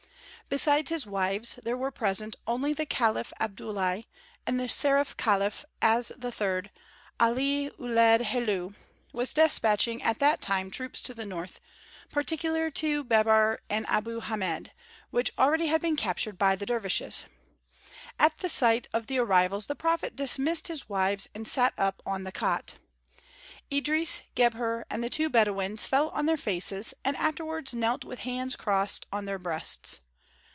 Besides his wives, there were present only the caliph Abdullahi and the sheref caliph, as the third, Ali Uled Helu, was despatching at that time troops to the north, particularly to Beber and Abu Hâmed, which already had been captured by the dervishes. At sight of the arrivals the prophet dismissed his wives and sat up on the cot. Idris, Gebhr, and the two Bedouins fell on their faces and afterwards knelt with hands crossed on their breasts.